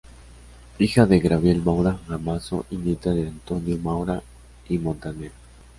Hija de Gabriel Maura Gamazo y nieta de Antonio Maura y Montaner.